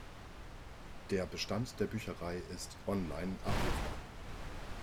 Der Bestand der Bücherei ist online abrufbar.